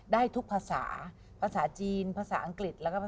ได้ทุกภาษาภาษาจีนภาษาอังกฤษ